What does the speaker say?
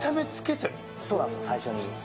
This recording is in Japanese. そうなんですよ、最初に。